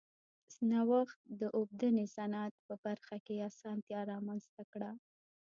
نوښت د اوبدنې صنعت په برخه کې اسانتیا رامنځته کړه.